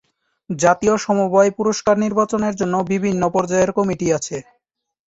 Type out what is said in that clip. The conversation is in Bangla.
জাতীয় সমবায় পুরস্কার নির্বাচনের জন্য বিভিন্ন পর্যায়ের কমিটি আছে।